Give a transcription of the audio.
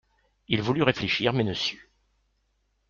Il voulut réfléchir, mais ne sut.